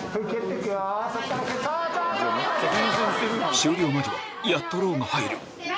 終了間際やっとローが入る・